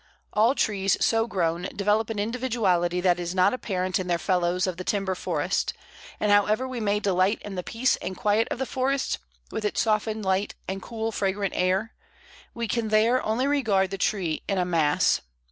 All trees so grown develop an individuality that is not apparent in their fellows of the timber forest; and however we may delight in the peace and quiet of the forest, with its softened light and cool fragrant air, we can there only regard the trees in a mass.